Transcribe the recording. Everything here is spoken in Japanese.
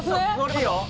いいよ。